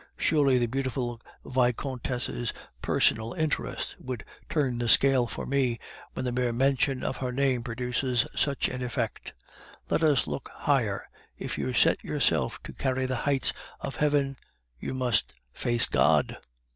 Surely the beautiful Vicomtesse's personal interest would turn the scale for me, when the mere mention of her name produces such an effect. Let us look higher. If you set yourself to carry the heights of heaven, you must face God."